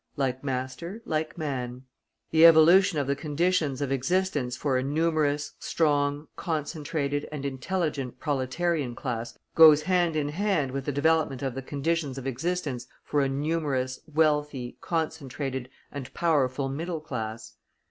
Like master, like man. The evolution of the conditions of existence for a numerous, strong, concentrated, and intelligent proletarian class goes hand in hand with the development of the conditions of existence for a numerous, wealthy, concentrated, and powerful middle class.